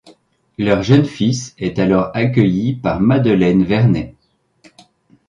Leur jeune fils est alors accueilli par Madeleine Vernet.